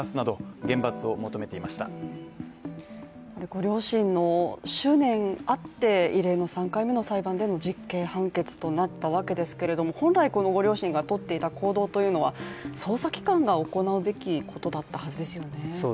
ご両親の執念あって異例の３回目の裁判での実刑判決となったわけですけれども本来、このご両親がとっていた行動というのは捜査機関が行うべきことだったはずですよね。